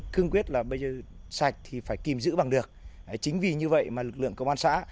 cương quyết là bây giờ sạch thì phải kìm giữ bằng được chính vì như vậy mà lực lượng công an xã